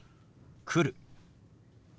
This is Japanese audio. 「来る」。